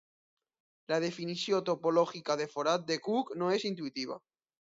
La definició topològica de forat de cuc no és intuïtiva.